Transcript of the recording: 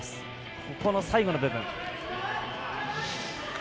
ここの最後の部分。